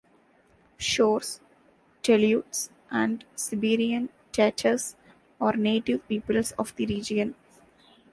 Shors, Teleuts and Siberian Tatars are native peoples of the region.